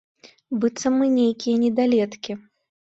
Быццам мы нейкія недалеткі!